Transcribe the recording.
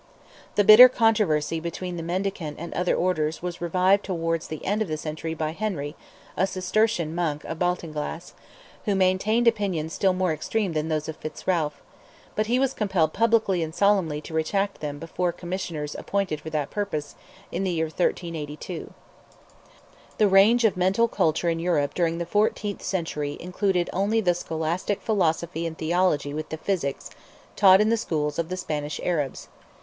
The bitter controversy between the mendicant and other orders was revived towards the end of the century by Henry, a Cistercian monk of Baltinglass, who maintained opinions still more extreme than those of Fitz Ralph; but he was compelled publicly and solemnly to retract them before Commissioners appointed for that purpose in the year 1382. The range of mental culture in Europe during the fourteenth century included only the scholastic philosophy and theology with the physics, taught in the schools of the Spanish Arabs.